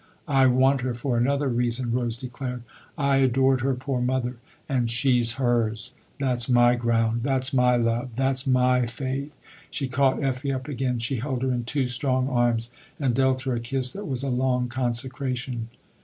"/ want her for another reason," Rose declared. " I adored her poor mother and she's hers. That's my ground, that's my love, that's my faith." She caught Effie up again ; she held her in two strong arms and dealt her a kiss that was a long consecra tion.